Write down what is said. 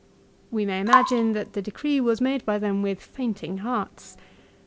We may imagine that the decree was made by them with fainting hearts.